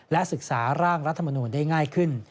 และศึกษาร่างรัฐมนูลได้ง่ายขึ้น